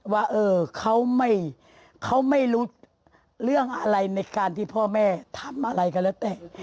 ว่าเขาไม่รู้เรื่องอะไรในการที่พ่อแม่ทำอะไรก็แล้วแต่